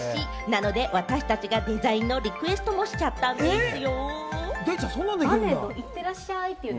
なので、私達がデザインのリクエストもしちゃったんですよ。